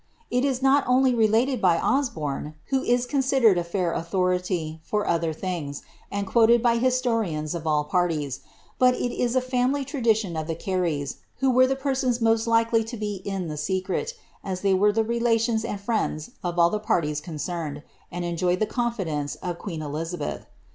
It is not only related by Ghsbome, who is considers a fair lority for other things, and quoted by historians of all parties, bnt it frmily tradition of the Careys, who were the persons most likely to in the secret, as they were the relations and friends of all the parties cemed, and enjoyed the confidence of queen Elizabeth.